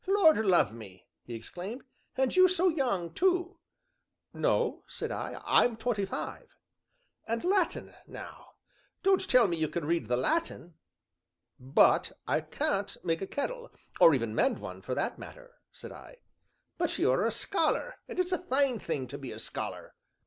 "Lord love me!" he exclaimed, "and you so young, too!" "No," said I; "I'm twenty five." "And Latin, now don't tell me you can read the Latin." "But I can't make a kettle, or even mend one, for that matter," said I. "But you are a scholar, and it's a fine thing to be a scholar!"